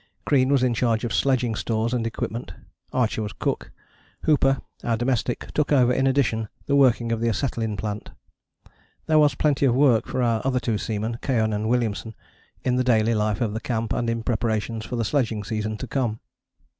Crean was in charge of sledging stores and equipment. Archer was cook. Hooper, our domestic, took over in addition the working of the acetylene plant. There was plenty of work for our other two seamen, Keohane and Williamson, in the daily life of the camp and in preparations for the sledging season to come.